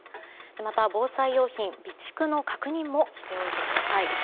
また防災用品、備蓄の確認もしておいてください。